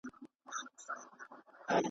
سمدستي یې سره پرانیسته په منډه .